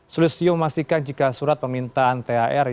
sulistio memastikan jika surat permintaan thr